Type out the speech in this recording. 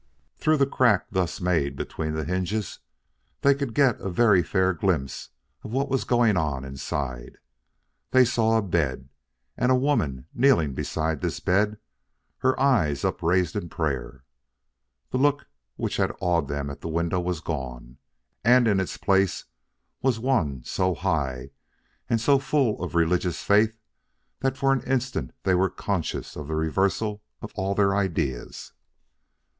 Through the crack thus made between the hinges, they could get a very fair glimpse of what was going on inside. They saw a bed, and a woman kneeling beside this bed, her eyes upraised in prayer. The look which had awed them at the window was gone, and in its place was one so high and so full of religious faith that for an instant they were conscious of the reversal of all their ideas.